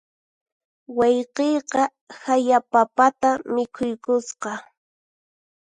Wayqiyqa haya papata mikhuykusqa.